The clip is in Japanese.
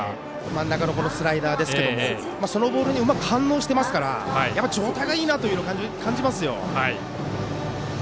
真ん中のスライダーですがそのボールにうまく反応していますからやっぱり状態がいいなというのを感じますよ。